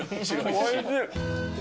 おいしい。